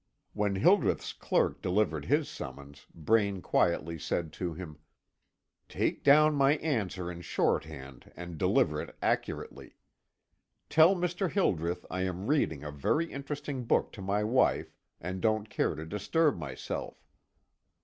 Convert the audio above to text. When Hildreth's clerk delivered his summons, Braine quietly said to him: "Take down my answer in shorthand and deliver it accurately. Tell Mr. Hildreth I am reading a very interesting book to my wife, and don't care to disturb myself.